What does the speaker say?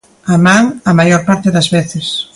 A man, a maior parte das veces.